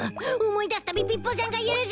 思い出すたびピッポさんが許せねい！